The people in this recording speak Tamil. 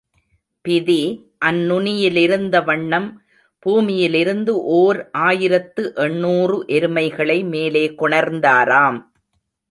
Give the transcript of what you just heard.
பிதி அந்நுனியிலிருந்தவண்ணம் பூமியிலிருந்து ஓர் ஆயிரத்து எண்ணூறு எருமைகளை மேலே கொணர்ந்தாராம்.